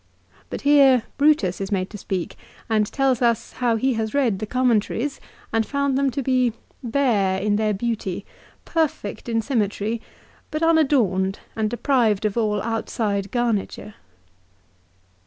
But here Brutus is made to speak, and tells us, how he has read the commentaries and found them to be " bare in their beauty, perfect in sym metry, but unadorned, and deprived of all outside garniture."